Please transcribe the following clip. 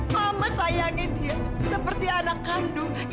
mama sayangi dia seperti anak kandung